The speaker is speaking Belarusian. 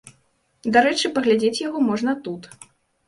Дарэчы, паглядзець яго можна тут.